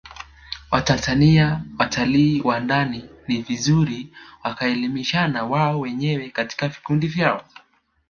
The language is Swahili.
Watanzania watalii wa ndani ni vizuri wakaelimishana wao wenyewe katika vikundi vyao